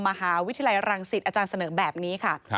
มหาวิทยาลัยรังสิตอาจารย์เสนอแบบนี้ค่ะ